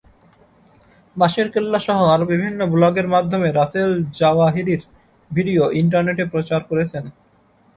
বাঁশের কেল্লাসহ আরও বিভিন্ন ব্লগের মাধ্যমে রাসেল জাওয়াহিরির ভিডিও ইন্টারনেটে প্রচার করেছেন।